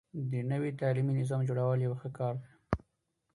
د نوي تعليمي نظام جوړول يو ښه کار دی.